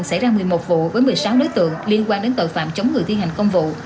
xảy ra một mươi một vụ với một mươi sáu đối tượng liên quan đến tội phạm chống người thi hành công vụ